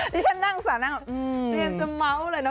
ที่ฉันนั่งสระนั่งเตรียมจะเมาส์เลยนะ